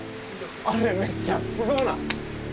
あれめっちゃすごない？